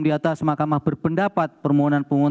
diatas mahkamah berpendapat permohonan pemohon